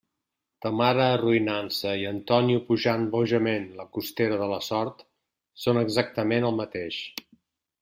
Ta mare arruïnant-se i Antonio pujant bojament la costera de la sort, són exactament el mateix.